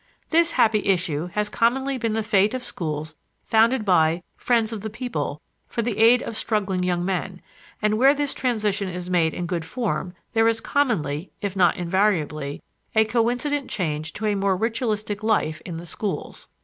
This happy issue has commonly been the fate of schools founded by "friends of the people" for the aid of struggling young men, and where this transition is made in good form there is commonly, if not invariably, a coincident change to a more ritualistic life in the schools.